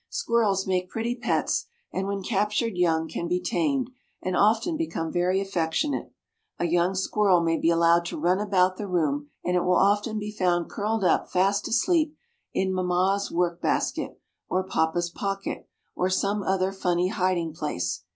Squirrels make pretty pets, and when captured young can be tamed, and often become very affectionate. A young squirrel may be allowed to run about the room, and it will often be found curled up fast asleep in mamma's work basket, or papa's pocket, or some other funny hiding place.